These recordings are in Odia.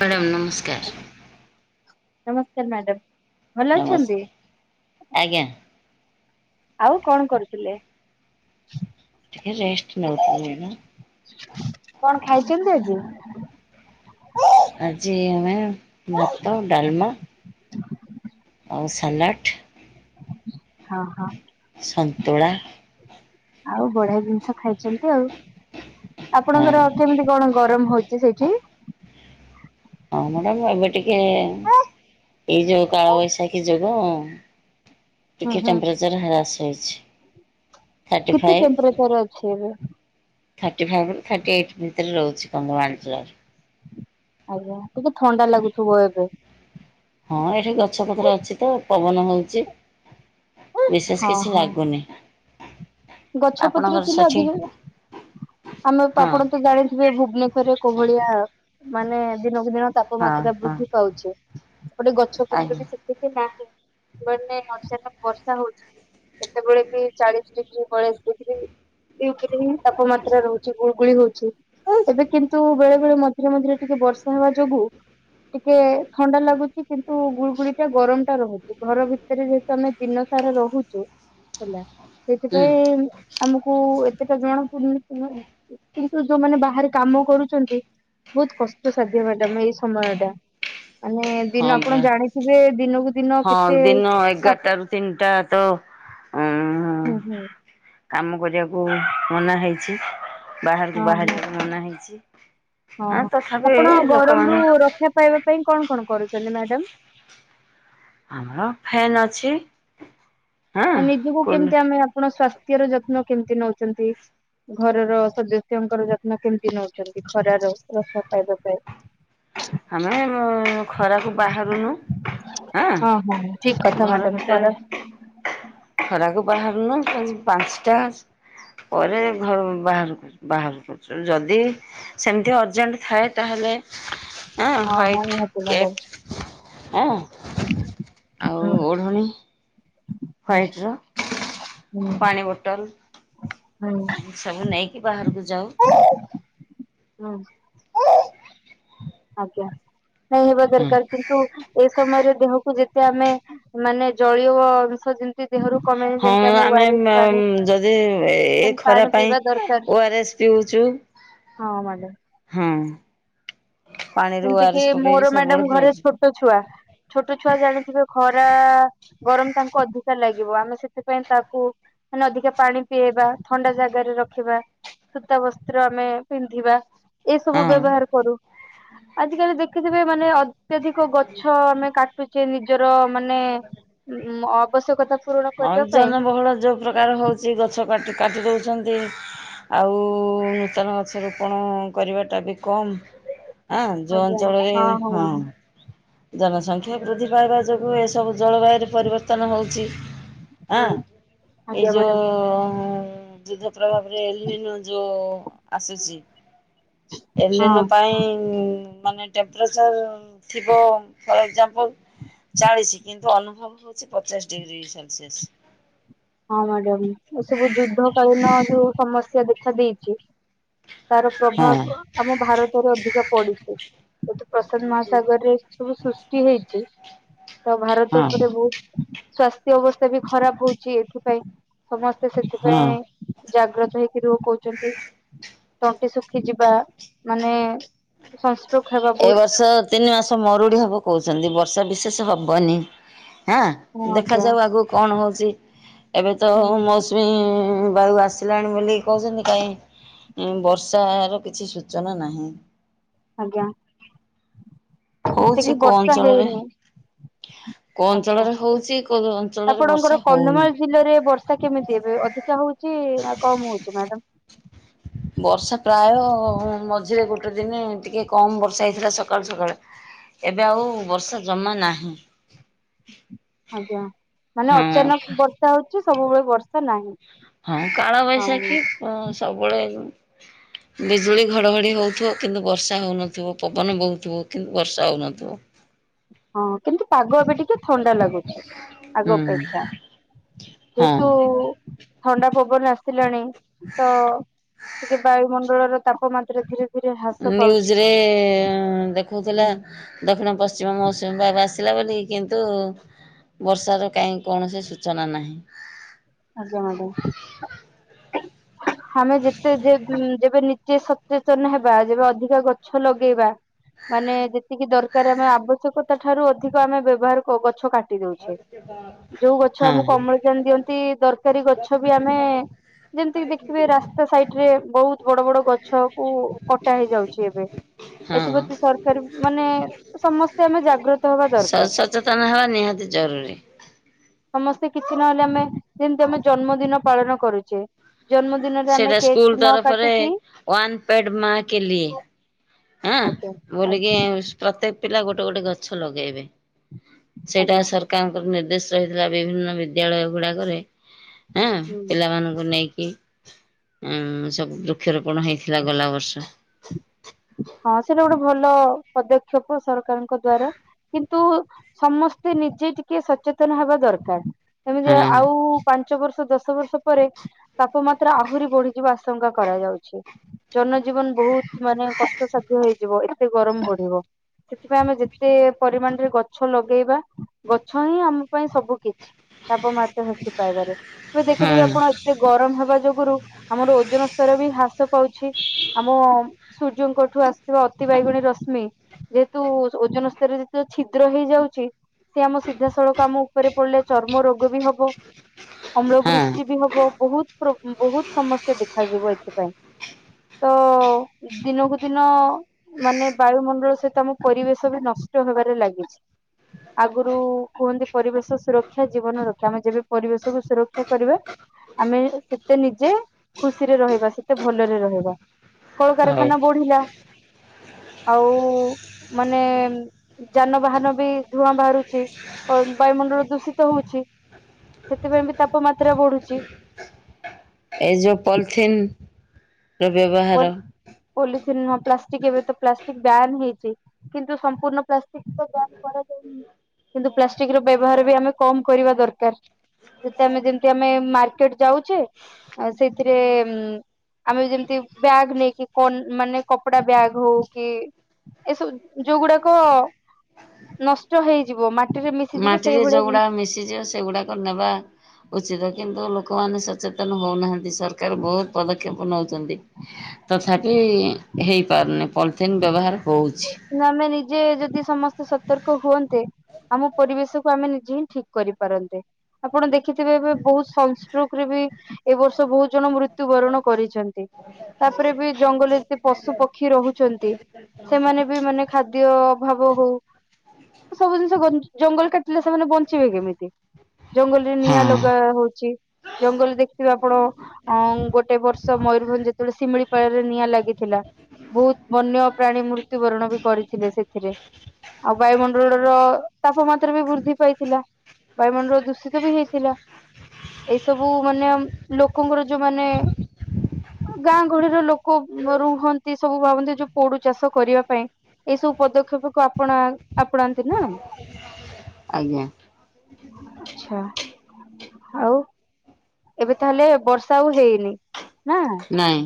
ମ୍ୟାଡାମ୍ ନମସ୍କାର। ନମସ୍କାର ମ୍ୟାଡାମ୍। ନମସ୍କାର ଆଜ୍ଞା। ଆଉ କଣ କରୁଥିଲେ? ଟିକେ ରେଷ୍ଟ ନେଉଥିଲି ହାରି। କଣ ଖାଇଛନ୍ତି [inaudible] ଆଜି ଆମେ ଭାତ, ଡାଲମା ସଲାଡ୍ ହଁ ହଁ, ସନ୍ତୁଳା ଆଉ ବଢିଆ ଜିନିଷ ଖାଇଛନ୍ତି ଆଉ, ହଁ ଆପଣଙ୍କର କେମିତି କଣ ଗରମ ହଉଛି ସେଇଠି? ହଁ ମ୍ୟାଡାମ ଏବେ ଟିକେ ଏଇ ଯୋଉ କାଳ ବୈଶାଖୀ ଯୋଗୁ ହୁଁ ଟିକେ ହୁଁ। ଟେମ୍ପରେଚର ହ୍ରାସ ପାଇଛି କେତେ ଟେମ୍ପରେଚର ଅଛି ଏବେ, ଥାଟି ଫାଇଭରୁ ଥାଟି ଏଇଟ ଭିତରେ ରହୁଛି କଙ୍ଗମାଞ୍ଚଳ ଆଜ୍ଞା ଟିକେ ଥଣ୍ଡା ଲାଗୁଥିବ ଏବେ, ହଁ ଏଠି ଗଛପତ୍ର ଅଛି ତ ପବନ ହଉଛି ବିଶେଷ କିଛି ଲାଗୁନି, ଗଛପତ୍ର ଆପଣଙ୍କର ଥିଲେ ସେଠି ଅଧିକା, ଆମେ ହଁ ଆପଣ ତ ଜାଣିଥିବେ ଭୁବନେଶ୍ୱରରେ କୋଉ ଭଳିଆ ମାନେ ଦିନ ଦିନ ହଁ ତାପମାତ୍ରା ହଁ ବୃଦ୍ଧି ପାଉଛି ଗୋଟେ ଗଛ ପତ୍ର ଆଜ୍ଞା ବି ସେତିକି ନାହିଁ, ମାନେ ନସତ ବର୍ଷା ହଉଛି ଏତେବେଳେ ବି ଚାଳିଶ ଡିଗ୍ରୀ ବଇଆଳିଶି ଡିଗ୍ରୀ [unintelligible] ତାପମାତ୍ରା ରହୁଛି ଗୁଳଗୁଳି ହଉଛି, ଏବେ କିନ୍ତୁ ବେଳେ ବେଳେ ମଝିରେ ମଝିରେ ଟିକେ ବର୍ଷା ହେବା ଯୋଗୁ ଟିକେ ଥଣ୍ଡା ଲାଗୁଛି କିନ୍ତୁ ଗୁଳିଗୁଳି ଟା ଗରମ ଟା ରହୁଛି ଘର ଭିତରେ ଯେହେତୁ ଆମେ ଦିନ ସାରା ରହୁଛୁ ହେଲା, ହୁଁ ସେଥିପାଇଁ ଆମକୁ ସେଟା ଜଣା ପଡୁନି କିନ୍ତୁ ଯୋଉମାନେ ବାହାରେ କାମ କରୁଛନ୍ତି ବହୁତ କଷ୍ଟ ସାଧ୍ୟ ମ୍ୟାଡାମ ଏଇ ସମୟ ଟା, ମାନେ ହଁ ଦିନ ଆପଣ ପରା ଜାଣିଥିବେ ଦିନକୁ ଦିନ ହଁ କେତେ ଦିନ ତାପ ଏଗାରଟ ଟୁ ତିନିଟା ତ ଉଁ ହୁଁ ହୁଁ, କାମ କରିବାକୁ ମନା ହେଇଛି ବାହାରକୁ ବାହାରିବା ବି ମନା ହେଇଛି, [inaudible] ଅ ଆଁ ହୋ, ତଥାପି ଆପଣ ଗରମ ରୁ ଲୋକମାନେ ରକ୍ଷା ପାଇବା ପାଇଁ କଣ କଣ କରୁଛନ୍ତି ମ୍ୟାଡ ଡାମ୍ ଆମର ଫ୍ୟାନ୍ ଅଛି। ହଁ ନିଜକୁ କୁଲ କେମିତି ଆମେ ଆପଣ ସ୍ଵାସ୍ଥ୍ୟର ଯତ୍ନ କେମତି ନଉଛନ୍ତି, ଘରର ସଦସ୍ୟଙ୍କର ଯତ୍ନ କେମିତି ନଉଛନ୍ତି, ଖରାରୁ ରକ୍ଷା ପାଇବା ପାଇଁ? ଆମେ ଖରାକୁ ବାହାରୁନୁ ହଁ ହଁ ଠିକ କଥା ଘର ମ୍ୟାଡାମ ଭିତରେ ଖରା । ଖରାକୁ ବାହାରୁନୁ ପାଞ୍ଚଟା ପରେ ଘର ବାହାରୁ ବାହାର କରୁଚୁ ଯଦି ସେମିତିଆ ଅର୍ଜେଣ୍ଟ ଥାଏ ତାହେଲେ । ହଁ ହ୍ୱାଇଟ୍ କେଟ୍ । ହଁ ଆଉ ହୁଁ ଓଢଣୀ । ହୁଁ ହ୍ୱାଇଟ ହୁଁ ର ପାଣି ବୋଟଲ । ହୁଁ ଏନତି ସବୁ ନେଇକି। କି ବାହାରକୁ ଯାଉ। ହଁ। ଆଜ୍ଞା । ନାଇ ହେବା ହୁଁ ଦରକାର କିନ୍ତୁ ଏ ସମୟରେ ଦେହକୁ ଯେ ତେ ଆମେ ମାନେ ଜଳୀୟ ଅଂଶ ଯେ ହଁ ଆମେ ମେ ଯଦି ଏ ସେମିତି ପାଣି ଖରା ପାଇଁ ପିଇବା ଦରକାର ଓ ଆର ଏସ୍ ପିଉଛୁ । ହଁ ମାଡମ୍ । ହଁ । ସେମତି କି ମୋର ମ୍ୟାଡାମ ଘରେ ପିଉଛୁ ଛୋଟ ଛୁଆ ଛୋଟ ଛୁଆ ଜାଣିଥିବେ ଖରା । ଗରମ ତାଙ୍କୁ ଅଧିକା ଲାଗିବ ଆମେ ସେଥିପାଇଁ ତାକୁ ମାନେ ଅଧିକା ପାଣି ପିଆଇବା ଥଣ୍ଡା ଜାଗାରେ ରଖିବା ସୂତା ବସ୍ତ୍ର ଆମେ ପିନ୍ଧିବା । ଏସବୁ ହଁ। ବ୍ୟବହାର କରୁ । ଆଜି କାଲି ଦେଖିଥିବେ ମାନେ ଅ ଅତ୍ୟଧିକ ଗଛ ଆମେ କାଟୁଛେ ନିଜର ମାନେ ଆବଶ୍ୟକତା ପୂରଣ ହଁ କରିବା ପାଇଁ ଜନବହୁଳ ଯୋଉ ପ୍ରକାର । ହଉଛି ଗଛ କାଟି କାଟି ଦେଉଛନ୍ତି ଆଉ ନୂତନ ଗଛ ରୋପଣ କରିବାଟା ବି । କମ ଆ ଯଉ ଅଞ୍ଚଳରେ ହଁ । ଜନସଂଖ୍ୟା ବୃଦ୍ଧି ପାଇବା ଯୋଗୁଁ ଏସବୁ ଜଳବାୟୁରେ ପରିବର୍ତ୍ତନ ହେଉଛି । ହଁ ଆଁ ଏଇ ଆଜ୍ଞା ମ୍ୟାଡାମ ଯୋଉ ଯୁଦ୍ଧ ପ୍ରଭାବରେ ୟୁରେନ୍ ର ଯୋଉ । ଆସୁଛି । ହଁ ଏଲିନୋ ପାଇଁ ମାନେ ଟେମ୍ପରେଚର୍ ଥିବ। ଫର ଏକ୍କଜାମପଲ ଚାଳିଶ କିନ୍ତୁ ଅନୁଭବ ହଉଛି ପଚାଶ ଡିଗ୍ରୀ ସେଲସିୟସ। ହଁ ମ୍ୟାଡାମ ଏ ସବୁ ଯୁଦ୍ଧ କାଳୀନ ଯୋଉ ସମସ୍ୟା ଦେଖା ଦେଇେଇଛି । ତାର ହଁ ପ୍ରଭାବ ଆମ ଭାରତରେ ଅଧିକା ପଡିଛି ସେଠି ପ୍ରଶାନ୍ତ ମହାସାଗରରେ ସବୁ ସୃଷ୍ଟି ହେଇଛି ତ ଭାରତ ହଁ ଉପରେ ବହୁତ । ସ୍ଵାସ୍ଥ୍ୟ ଅବସ୍ଥା ବି ଖରାପ ହଉଛି। ସେଇଥି ପାଇଁ ସମସ୍ତେ ହଁ। ସେଥିପାଇଁ ଜାଗ୍ରତ ହେଇକି ରୁ କହୁଛନ୍ତି ତଣ୍ଟି ଶୁଖିଯିବା ମାନେ ହେବା ଏ ବହୁତ ବର୍ଷ ତିନି ମାସ ମରୁଡି ହବ କୋଉଛି, ଛନ୍ତି ବର୍ଷା ବିଶେଷ ହବନି। ହଁ ଦେଖାଯାଉ ଆଗକୁ କଣ ହଉଛି ଏବେ ତ ହୁଁ ମୌସୁମୀ ବାୟୁ ଆସିଲାଣି ବୋଲି କହୁଛନ୍ତି କାଇଁ ବର୍ଷାର କିଛି ସୂଚନା ନାହିଁ। ଆଜ୍ଞା। ହଉଛି ସେତିକି କୋଉ ବର୍ଷା ଅଞ୍ଚଳରେ ହେଇନି କୋଉ ଆଛା ଅଞ୍ଚଳରେ ହଉଛି କୋଉ ଅଞ୍ଚଳରେ ବର୍ଷା ଆପଣଙ୍କର ହଉନି। କନ୍ଧମାଳ ଜିଲ୍ଲାରେ ବର୍ଷା କେମିତି ଏବେ ଅଧିକା ହଉଛି ନା କମ ହଉଛି ମ୍ୟାଡମ୍। ବର୍ଷା ପ୍ରାୟ ମଝିରେ ଗୋଟେ ଦିନ ଟିକେ କମ ବର୍ଷା ହେଇଥିଲା ସକାଳୁ ସକାଳୁ ଏବେ ଆଉ ବର୍ଷା ଜମା ନାହିଁ। ଆଜ୍ଞା ମାନେ ହଁ ଅଚାନକ ବର୍ଷା ହଉଛି। ସବୁବେଳେ ବର୍ଷା ନାହିଁ। ହଁ କାଳବୈଶାଖୀ ହଁ ସବୁବେଳେ, ବିଜୁଳି ଘଡଘଡି ହଉଥିବ କିନ୍ତୁ ବର୍ଷା ହଉନଥିବ। ଥିବ ପବନ ବହୁଥିବ। କିନ୍ତୁ ବର୍ଷା ହଉନଥିବ। ହଁ କିନ୍ତୁ ପାଗ ଏବେ। ଟିକେ ଥଣ୍ଡା ଲାଗୁଛି ଆଗ ହୁଁ ଅପେକ୍ଷା ହଁ ଯେହେତୁ ଥଣ୍ଡା ପବନ ଆସିଲାଣି ତ ଟିକେ ବାୟୁମଣ୍ଡଳର ତାପମାତ୍ରା ଧିରେ ଧିରେ। ନ୍ୟୁଜ ରେ ଦେଖଉଥିଲା ହୁଁ ଦକ୍ଷିଣ ପଶ୍ଚିମ ମୌସୁମୀ ବାବା ଆସିଲା ବୋଲି କିନ୍ତୁ ବର୍ଷାର କାହିଁ କୌଣସି ସୂଚନା ନାହିଁ। ଆଜ୍ଞା ମ୍ୟାଡାମ ଆମେ ଯେତେ ଯେ ଯେବେ ସଚେତନ ହେବା ଯେବେ ଅଧିକ ଗଛ ଲଗେଇବା ମାନେ ଯେତିକି ଦରକାର ଆମେ ଆବଶ୍ୟକତା ଠାରୁ ଅଧିକ ଆମେ ବ୍ୟବହାର ଗଛ କାଟ କାଟିଦଉଛେ ଯୋଉ ଗଛ ହଁ ଆମକୁ ଅମ୍ଳଜାନ ଦିଅନ୍ତି ଦରକାରୀ ଗଛ ବି ଆମେ ଯେମିତି ଦେଖ ଦେଖିବେ ରାସ୍ତା ସାଇଡ ରେ ବହୁତ ବଡ ବଡ ଗଛ କୁ କଟା ହେଇଯାଉଛି ଏବେ ହଁ ଏଥିପ୍ରତି ସରକାର ମାନେ ସମସ୍ତେ ଆମେ ଜାଗ୍ରତ ହବା ଦରକାର। ସଚେତନ ହେବା [unintelligible] ସମସ୍ତେ କିଛି ନହେଲେ ଆମେ ଯେମିତି ଆମ ଜନ୍ମଦିନ ପାଳନ କରୁଛେ ଜନ୍ମଦିନରେ ଆମେ ସେଟା କେକ୍ ସ୍କୁଲ ନ ତରଫରେ କାଟିକି ୱାନ ପେଡ୍ ମା କେ ଲିଏ ଆଁ ଆଜ୍ଞା ବୋଲିକି ଆଚ୍ଛା ପ୍ରତ୍ୟେକ, ପିଲା ଗୋଟେ ଗୋଟେ ଗଛ ଲଗେଇବେ। ସେଇଟା ଆଜ୍ଞା ସରକାରଙ୍କ ର ନିର୍ଦ୍ଦେଶ। ହେଇଥିଲା ବିଭିନ୍ନ ବିଦ୍ୟାଳୟ ଗୁଡାକରେ, ହଁ ହୁଁ। ପିଲାମାନଙ୍କୁ ନେଇକି ଉଁ ସବୁ ବୃକ୍ଷରୋପଣ ହେଇଥିଲା ଗଲା ବର୍ଷ ହଁ ସେଇଟା ଗୋଟେ ଭଲ ପଦକ୍ଷେପ ସରକାରଙ୍କ ଦ୍ଵାରା କିନ୍ତୁ ସମସ୍ତେ ନିଜେ ଟିକେ ସଚେତନ ହେବା ଦରକାର ଏମିତି ହଁ ଆଉ ପା ପାଞ୍ଚ ବର୍ଷ ଦଶ ବର୍ଷ ପରେ ତାପମାତ୍ରା ଆହୁରି ବଢିଯିବା ଆଶଙ୍କା କରାଯାଉଛି ଜନଜୀବନ ବହୁତ ମାନେ କଷ୍ଟସାଧ୍ୟ ହେଇଯିବ ଏତେ ଗରମ ବଢିବ ସେଥିପାଇଁ ଆମେ ଯେତେ ପରିମାଣରେ ଗଛ ଲଗେଇବା ଗଛ ହିଁ ଆମ ପାଇଁ ସବୁ କିଛି ତାପମାତ୍ରା ହ୍ରାସ ପାଇବାରେ। ଏବେ ହଁ ଦେଖିଥିବେ ଆପଣ ଏତେ ଗରମ ହେବା ଯୋଗୁରୁ ଆମର ଓଜନ ସ୍ତର ବି ହ୍ରାସ ପାଉଛି। ଆମମ୍। ସୂର୍ଯ୍ୟଙ୍କଠୁ ଆସିୁଥିବା ଅତି ବାଇଗଣି ରଶ୍ମି ଯେହେତୁ ଓଜନ ସ୍ତରରେ ଯେତେବେଳେ ଛିଦ୍ର ହେଇଯାଉଚି। ସେ ଆମ ସିଧାସଳଖ ଆମ ଉପରେ ପଡିଲେ ଚର୍ମ ରୋଗ ବି ହବ। ଅମ୍ଳ ହଁ ବୃଷ୍ଟି ବି ହବ। ବହୁତ୍ ପ୍ରୋ ବହୁତ୍ ସମସ୍ୟା ଦେଖାଯିବ ଏଥିପାଇଁ ତଅ ଦିନକୁ ଦିନ ମାନେ ବାୟୁମଣ୍ଡଳ ସହିତ ଆମ ପରିବେଶ ବି ନଷ୍ଟ ହେବାରେ ଲାଗିଛି ।ଆଗରୁ କୁହନ୍ତି ପରିବେଶ ସୁରକ୍ଷା ଜୀବନ ରକ୍ଷା ।ଆମେ ଯେବେ ପରିବେଶକୁୁ ସୁରକ୍ଷା କରିବା ଆମେ ସେତେ ନିଜେ ଖୁସିରେ ରହିବା ସେତେ ଭଲରେ ରହିବା। ହଉ କଳକାରଖାନା ବଢିଲା ଆଉ ମାନେ ଯାନବାହାନ ବି ଧୂଆଁ ବାହାରୁଚି। ବାୟୁମଣ୍ଡଳ ଦୂଷିତ ହଉଛି ସେଥିପାଇଁ ବି ତାପମାତ୍ରା ବଢୁଚି। ଏଯୋପଲଥିନ୍। ପଲ ପଳିଥିନ୍ ନୁହଁ ପ୍ଲାସ୍ ଠିକ୍ ଏବେ ତ ପ୍ଲାଷ୍ଟିକ ବ୍ୟାନ୍ ହେଇଛି। କିନ୍ତୁ ସମ୍ପୂର୍ଣ୍ଣ ପ୍ପ୍ଲାଷ୍ଟିକ ତ ବ୍ୟାନ୍ କରାଯାଇନି ।କିନ୍ତୁ ପ୍ଲାଷ୍ଟିକ ର ବ୍ୟବହାର ବି ଆମେ କମ୍ କରିବା ଦରକାର। ଯେତ ତମେ ଯେମତି ଆମେ ମାର୍କେଟ ଯାଉଛେ ସେଇଥିରେଉଁ ଆମେ ଯେମତି ବ୍ୟାଗ ନେଇକି ମାନେ କନ୍ କପଡା ବ୍ୟାଗ୍ ହଉ କି ଏସବୁ ଯୋଉଗୁଡାକ ନଷ୍ଟ ହୋଇଯିବ ମାଟି। ମାଟିରେ ଯୋଉଗୁଡାକ ମିଶିଯିବ ସେଗୁଡାକ ନେବା ଉଚିତଅ କିନ୍ତୁ ଲୋକ ଲୋକାମାନେ ସଚେତନ ହଉନାହାନ୍ତି। ସରକାର ବହୁତ ପଦକ୍ଷେ ପଦକ୍ଷେପ ନଉଛନ୍ତି ତଥାପି ହେଇପାରୁନି ପଲିଥିନ୍ ବ୍ୟବହାର। ହଉଛି। ନମେ ନିଜେ ଜଦି ସମସ୍ତେ ସତର୍କ ହୁଅନ୍ତେ ଆମ ପରିବେଶକୁ ଆମେ ନିଜେ ହିଁ ଠିକ କରିପାରନ୍ତେ। ଆପଣ ଦେଖିଥିବେ ଏବେ ବହୁତ୍ ସନ୍ ଷ୍ଟ୍ରୋକରେ ବି ଏ ବର୍ଷ ବହୁତ ଜଣ ମୃତ୍ୟୁବରଣ କରି ଛନ୍ତି ତାପରେ ବି ଜଙ୍ଗଲରେ ଯେତେ ପଶୁ ପକ୍ଷୀ ରହୁଛନ୍ତି ସେମାନେ ଖାଦ୍ୟ ଅଭାବ ହଉ ସବୁ ଜିନିଷ କ ଜଙ୍ଗଲ କାଟ ସେମାନେ ବଞ୍ଚିବେ କେମିତି ।ଜଙ୍ଗଲରେ ନିଆଁ ହଁ। ଲଗା ହଉଛି। ଜଙ୍ଗଲରେ ଦେଖିଥିବେ ଆପଣ ଅଁ ଗୋଟେ ବର୍ଷ ମୟୂରଭଞ୍ଜ ଯେତେବେଳେ ଶିମିଳି ଲରେ ନିଆଁ ଲାଗିଥିଲା ବହୁତ ବନ୍ୟ ପ୍ରାଣୀ ମୂର୍ତ୍ତି ମୃତ୍ୟୁବରଣ ବି କରିଥିଲେ ସେଥିରେ ।ଆଉ ବାୟୁମଣ୍ଡଳର ତାପମାତ୍ରା ବି ବୃଦ୍ଧି ପାଇଥିଲା ।ବାୟୁମଣ୍ଡଳ ଦୂଷିତ ବି ହେଇଥିଲା ।ଏଇ ସବୁ ମାନେ ଲୋକଙ୍କର ଯୋଉମାନୋ ଗାଁ ଗହଳିର ଲୋକ ରୁହନ୍ତି ସବୁ ଭାବନ୍ତି ଯୋଉ ପୋଡୁ ଚାଷ କରିବା ପା ପାଇଁ ଏଇ ସବୁ ପଦକ୍ଷେପ କୁ ଆପଣା ଆପଣାନ୍ତି ନା। ଆଜ୍ଞା ଆଚ୍ଛା। ଆଉ। ଏବେ ତାହେଲେ ବର୍ଷା ଆଉ ହେଇନି? ନାଁ। ନାଇଁ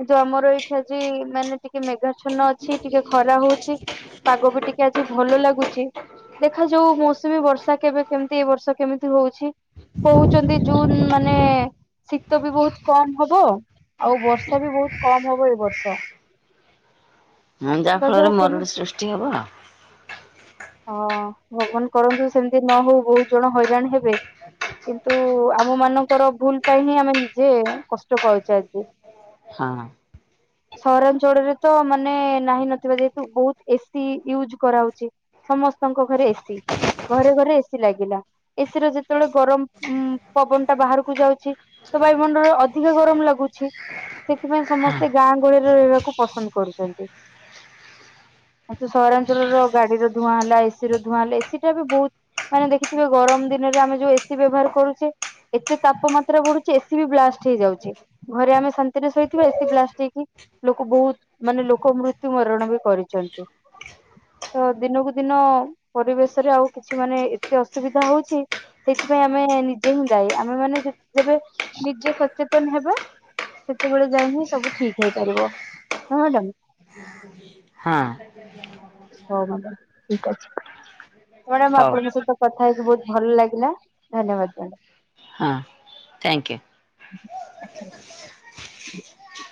କିନ୍ତୁ ଆମର ଏଇଠି ଆଜି ମାନେ ଟିକେ ମେଘା ଚ୍ଛନ ଅଛି ଟିକେ ଖରା ହଉଛି ପାଗ ବି ଟିକେ ଆଜି ଭଲ ଲାଗୁଚି। ଦେଖା ଯାଉ ମୌସୁମୀ ବର୍ଷା କେବେ କେମିତି ଏଇ ବର୍ଷ କେମିତି ହଉଛି। କହୁଛନ୍ତି ଜୁନ୍ ମାନେଏ ଶୀତ ବି ବହୁତ କମ୍ ହବ ।ଆଉ ବର୍ଷା ବି ବହୁତ କମ ହବ ଏ ବର୍ଷ। ହଁ ଯାହା ଦେଖାଯାଉ ଫଳରେ ମରୁଡି କେମିତି ସୃଷ୍ଟି ହବ ଆଉ। ହଁ ଭଗବାନ କରନ୍ତୁ ସେମିତି ନ ହଉ ବହୁତ ଜଣ ହଇରାଣ ହେବେ। କିନ୍ତୁ ଆମ ମାନଙ୍କର ଭୁଲ ପାଇଁ ହିଁ ଆମେ ନିଜେ କଷ୍ଟ ପାଉଛେ ଆଜି। ହଁ ସହରାଞ୍ଚଳରେ ତ ମାନେ ନାହିଁ ନଥିବା ଯେହେତୁ ବହୁତ ଏସି ୟୁଜ୍ କରାହେଉଛଚି ।ସମସ୍ତଙ୍କ ଘରେ ଏସିି ଘରେ ଘରେ ଏସି ଲାଗିଲା ଏସି ର ଯେତେବେଳେ ଗରମ। ଉଁ ପବନ ଟା ବାହାରକୁ ଯାଉଚି ତ ବାୟୁମଣ୍ଡଳରେ ଅଧିକା ଗରମ ଲାଗୁଚି, ସେଥିପାଇଁ ହଁ ସମସ୍ତେ ଗାଁ ଗହଳିରେ ରହିବାକୁ ପସନ୍ଦ କରୁଛନ୍ତି, କିନ୍ତୁ ସହରାଞ୍ଚଳର ଗାଡିର ଧୂଆଁ ହେଲା ଏସି ର ଧୂଆଁ ହେଲା ଏସି ଟା ବି ବହୁତ ମାନେ ଦେଖିଥିବେ ଗରମ ଦିନରେ ଆମେ ଯୋଉ ଏସିି ବ୍ୟବହାର କରୁଚେ, ଏତେ ତାପମାତ୍ରା ବଢୁଚି, ଏସି ବି ବ୍ଲାଷ୍ଟ ହେଇଯାଉଚି, ଘରେ ଆମେ ଶାନ୍ତିରେ ଶୋଇଥିବା ଏସି ବ୍ଲାଷ୍ଟ ହେଇକି ଲୋକ ବୋହୁତ ମାନେ ଲୋକ ମୃତ୍ୟୁ ମରଣ ବି କରିଚନ୍ତି, ତ ଦିନକୁ ଦିନ ପରିବେଶରେ ଆଉ କିଛି ମାନେ ଏତେ ଅସୁବିଧା ହଉଛି ସେଇଥି ପାଇଁ ଆ ଆମେ ନିଜେ ହିଁ ଦାୟୀ, ଆମେ ମାନେ ଯେ ଯେବେ ନିଜେ ସଚେତନ୍ ହେବା ସେତେବେଳେ ଯାଇ ହିଁ ସବୁ ଠିକ ହେଇପାରିବ ହଁ ମ୍ୟାଡ଼ାମ, ହଁ [inaudible] ହଉ ମ୍ୟାଡ଼ାମ ଠିକ୍ ଅଛି। ମ୍ୟାଡାମ୍ ହଉ ଆପଣଙ୍କ ସହିତ କଥା କଥା ହେଇକି ବୋହୁତ ଭଲ୍ ଲାଗିଲା। ଧନ୍ୟବାଦ ମ୍ୟାଡ଼ାମ। [inaudible] ହଁ ଥ୍ୟାଙ୍କୟୁ। ଆଛା। [inaudible]